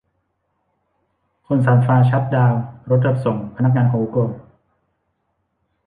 คนซานฟรานชัตดาวน์รถรับส่งพนักงานของกูเกิล